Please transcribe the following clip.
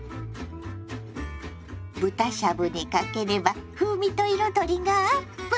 豚しゃぶにかければ風味と彩りがアップ。